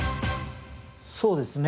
そうですね。